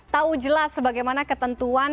tahu jelas bagaimana ketentuan